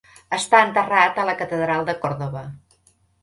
Està enterrat a la Catedral de Còrdova.